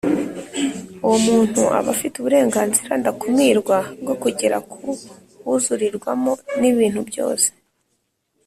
uwo muntu aba afite uburenganzira ndakumirwa bwo kugera ku wuzurirwamo n’ibintu byose